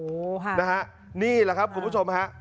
โอ้โหฮะนะฮะนี่แหละครับคุณผู้ชมฮะ